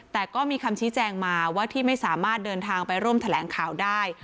แต่ก็มีคำชี้แจงมาว่าที่ไม่สามารถเดินทางไปร่วมแถลงข่าวได้